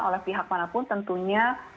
oleh pihak manapun tentunya